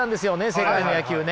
世界の野球ね。